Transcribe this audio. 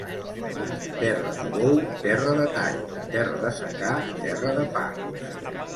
Terra de bou, terra de tall; terra de secà, terra de pa.